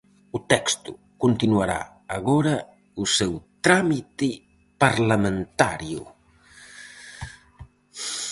O texto continuará agora o seu trámite parlamentario.